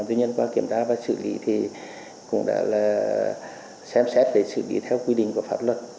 tuy nhiên qua kiểm tra và xử lý thì cũng đã là xem xét để xử lý theo quy định của pháp luật